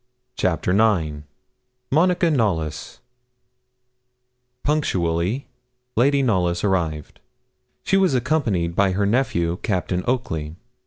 CHAPTER IX MONICA KNOLLYS Punctually Lady Knollys arrived. She was accompanied by her nephew, Captain Oakley.